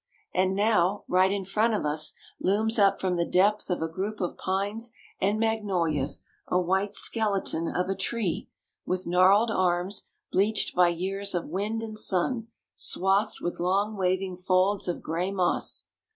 And now right in front of us looms up from the depth of a group of pines and magnolias a white skeleton of a tree, with gnarled arms, bleached by years of wind and sun, swathed with long waving folds of gray moss.